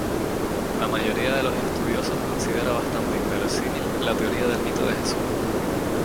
La mayoría de los estudiosos considera bastante inverosímil la teoría del mito de Jesús.